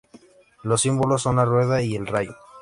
Sus símbolos son la rueda y el rayo.